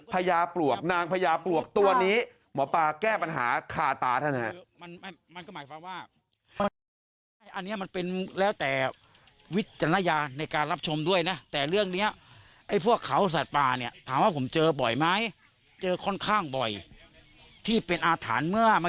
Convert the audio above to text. ญาปลวกนางพญาปลวกตัวนี้หมอปลาแก้ปัญหาคาตาท่านนะครับ